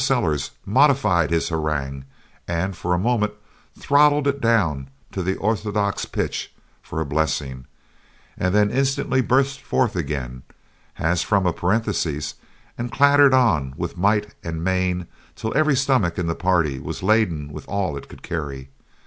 Sellers modified his harangue and for a moment throttled it down to the orthodox pitch for a blessing, and then instantly burst forth again as from a parenthesis and clattered on with might and main till every stomach in the party was laden with all it could carry.